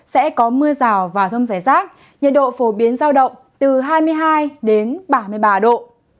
sẽ có mưa rào và rông rải rác nhiệt độ phổ biến giao động từ hai mươi hai đến ba mươi ba độ